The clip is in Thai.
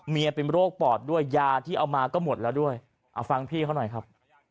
เป็นโรคปอดด้วยยาที่เอามาก็หมดแล้วด้วยเอาฟังพี่เขาหน่อยครับ